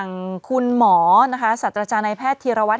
คุณผู้ชมขายังจริงท่านออกมาบอกว่า